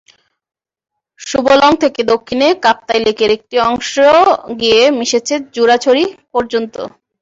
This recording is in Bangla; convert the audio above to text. সুবলং থেকে দক্ষিণে কাপ্তাই লেকের একটা অংশ গিয়ে মিশেছে জুরাছড়ি পর্যন্ত।